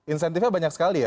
insentifnya banyak sekali